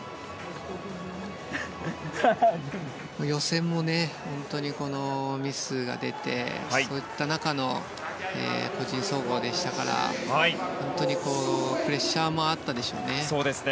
予選もミスが出てそういった中の個人総合でしたから本当にプレッシャーもあったでしょうね。